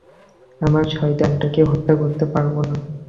আমরা শয়তান টা কে হত্যা করতে পারবো না।